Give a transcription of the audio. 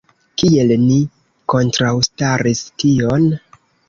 Kiel ni kontraŭstaris tion?